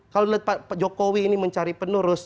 kalau pak jokowi ini mencari penerus